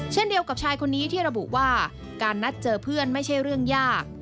เช่นเดียวกับชายคนนี้ที่ระบุว่าการนัดเจอเพื่อนไม่ใช่เรื่องยาก